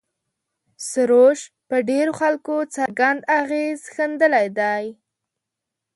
سروش پر ډېرو خلکو څرګند اغېز ښندلی دی.